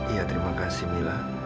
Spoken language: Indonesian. iya terima kasih mila